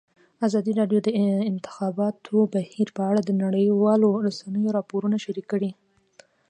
ازادي راډیو د د انتخاباتو بهیر په اړه د نړیوالو رسنیو راپورونه شریک کړي.